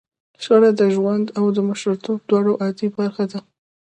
شخړه د ژوند او مشرتوب دواړو عادي برخه ده.